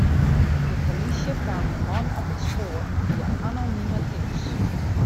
De polysje kaam de man op it spoar fia anonime tips.